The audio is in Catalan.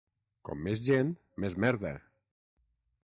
Com més gent, més merda.